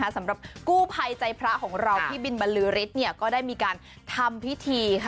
สำหรับกู้ภัยใจพระของเราพี่บินบรรลือฤทธิ์ก็ได้มีการทำพิธี